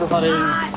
はい。